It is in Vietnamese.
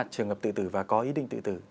trường hợp tự tử và có ý định tự tử